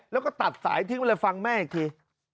แล้วก็ตัดสายทิ้งไว้เลยฟังแม่อีกที